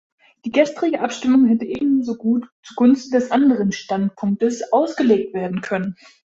Die gestrige Abstimmung hätte ebensogut zugunsten des anderen Standpunktes ausgelegt werden können.